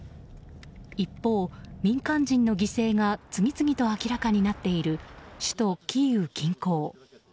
一方、民間人の犠牲が次々と明らかになっている首都キーウ近郊。